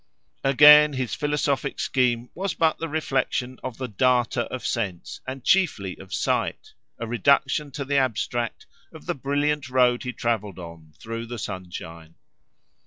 —Again, his philosophic scheme was but the reflection of the data of sense, and chiefly of sight, a reduction to the abstract, of the brilliant road he travelled on, through the sunshine.